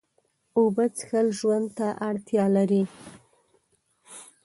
اوبه څښل ژوند ته اړتیا ده